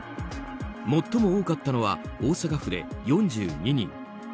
最も多かったのは大阪府で４２人。